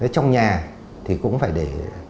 trong nhà thì cũng phải để